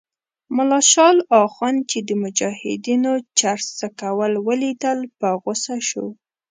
ملا شال اخند چې د مجاهدینو چرس څکول ولیدل په غوسه شو.